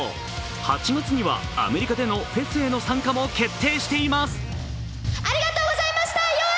８月にはアメリカでのフェスへの参加も決定しています。